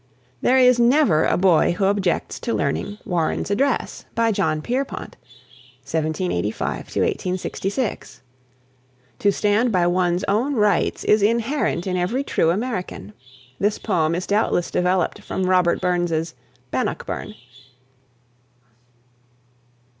There is never a boy who objects to learning "Warren's Address," by John Pierpont (1785 1866). To stand by one's own rights is inherent in every true American. This poem is doubtless developed from Robert Burns's "Bannockburn."